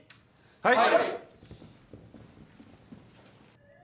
はい！